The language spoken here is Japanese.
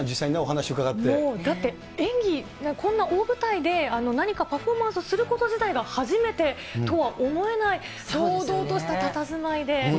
もう、だって、演技、こんな大舞台で何かパフォーマンスをすること自体が初めてとは思えない堂々としたたたずまいで。